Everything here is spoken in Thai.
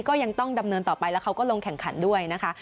ก็ยังต้องดำเนินต่อไปแล้วเขาก็ลงแข่งขันด้วยนะคะ